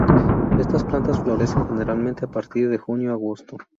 Estas plantas florecen generalmente a partir de junio a agosto.